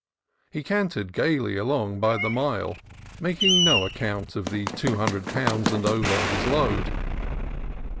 He cantered gaily along by the mile, making no account of the two hundred pounds and over of his load.